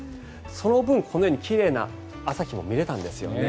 その分、このように奇麗な朝日も見れたんですね。